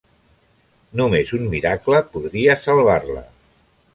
Només un miracle podria salvar-la.